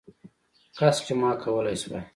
کش چي ما کولې شواې